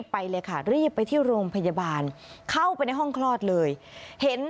พาพนักงานสอบสวนสนราชบุรณะพาพนักงานสอบสวนสนราชบุรณะ